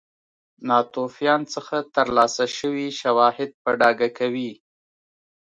ناتوفیان څخه ترلاسه شوي شواهد په ډاګه کوي.